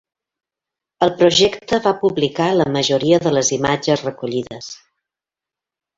El projecte va publicar la majoria de les imatges recollides.